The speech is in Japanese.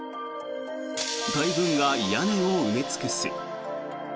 大群が屋根を埋め尽くす。